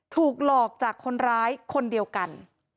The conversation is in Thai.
ถูกหลอกจากคนร้ายคนเดียวกัน